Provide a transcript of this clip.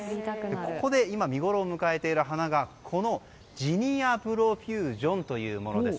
ここで今見ごろを迎えている花がこの、ジニアプロフュージョンというものです。